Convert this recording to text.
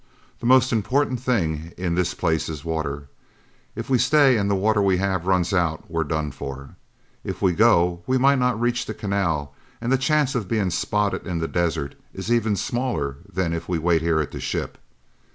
The most important thing in this place is water. If we stay and the water we have runs out, we're done for. If we go, we might not reach the canal and the chance of being spotted in the desert is even smaller than if we wait here at the ship."